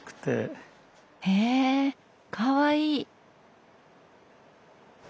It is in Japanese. へえかわいい。